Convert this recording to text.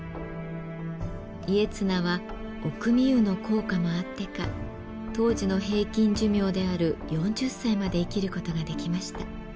家綱は御汲湯の効果もあってか当時の平均寿命である４０歳まで生きることができました。